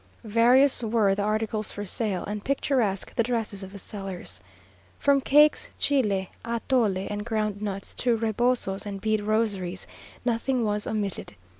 Various were the articles for sale, and picturesque the dresses of the sellers. From cakes, chile, atole, and ground nuts, to rebosos and bead rosaries, nothing was omitted.